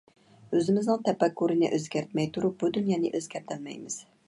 ئۆزىمىزنىڭ تەپەككۇرىنى ئۆزگەرتمەي تۇرۇپ بۇ دۇنيانى ئۆزگەرتەلمەيمىز.